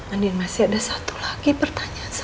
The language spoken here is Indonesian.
anda masih ada satu lagi pertanyaan saya